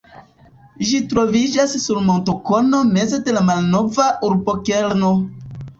Ĝi troviĝas sur montokono meze de la malnova urbokerno.